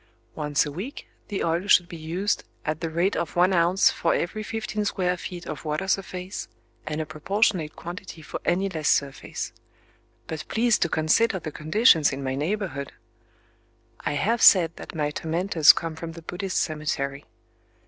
Once a week the oil should be used, "at the rate of once ounce for every fifteen square feet of water surface, and a proportionate quantity for any less surface." ...But please to consider the conditions in my neighborhood! I have said that my tormentors come from the Buddhist cemetery.